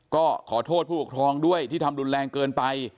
ก็ขอโทษผู้ปกครองด้วยที่ทำรุนแรงเกินไป